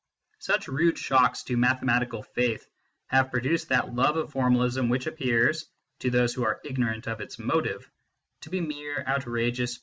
Such rude shocks to mathematical faith have produced that love of formalism which appears, to those who are ignorant of its motive, to be mere outrageous pedantry.